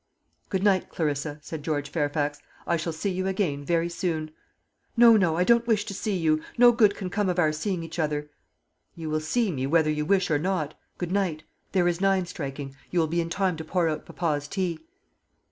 "Good night, Clarissa," said George Fairfax; "I shall see you again very soon." "No, no; I don't wish to see you. No good can come of our seeing each other." "You will see me, whether you wish or not. Good night. There is nine striking. You will be in time to pour out papa's tea."